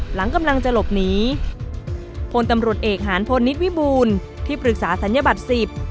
หลังกำลังจะหลบหนีพลตำรวจเอกหานพลนิดวิบูรณ์ที่ปรึกษาศัลยบัตรสิบ